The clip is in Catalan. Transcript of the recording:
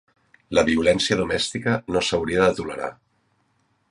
La violència domèstica no s'hauria de tolerar.